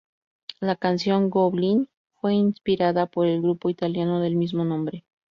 La canción "Goblin" fue inspirada por el grupo italiano del mismo nombre.